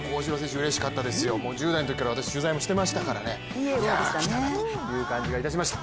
うれしかったですよ、１０代のときから私、取材もしていましたから、来たなという感じがしました。